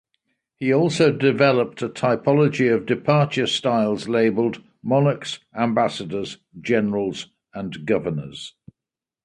He also developed a typology of departure styles labeled: monarchs; ambassadors; generals; and governors.